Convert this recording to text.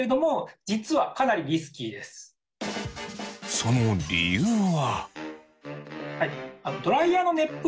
その理由は。